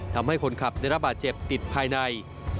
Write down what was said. ทำให้คนขับได้รับบาดเจ็บติดภายใน